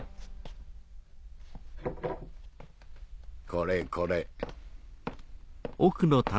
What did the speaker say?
これこれ。